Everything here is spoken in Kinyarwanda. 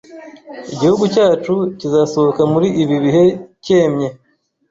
igihugu cyacu kizasohoka muri ibi bihe cyemye